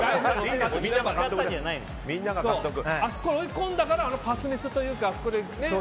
あそこ、追い込んだからパスミスというかね。